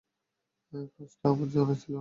কাজটা যে আমার তা জানলেন কী করে?